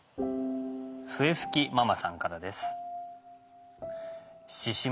笛吹きママさんからです。